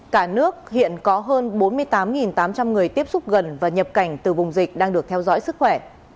cả nước hiện có hơn bốn mươi tám tám trăm linh người tiếp xúc gần và nhập cảnh từ vùng dịch đang được theo dõi sức khỏe